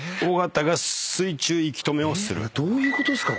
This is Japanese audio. どういうことっすか？